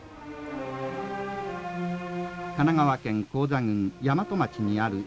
「神奈川県高座郡大和町にある少年の町。